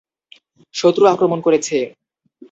শত্রু আক্রমণ করেছে!